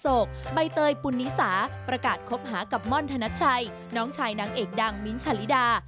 ใบเตยปุณนิสาประกาศคบหากับม่อนธนัชชัยน้องชายนางเอกดังมิ้นท์ชาลิดา